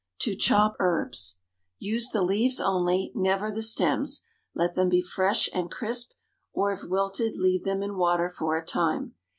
To Chop Herbs. Use the leaves only, never the stems; let them be fresh and crisp, or, if wilted, leave them in water for a time.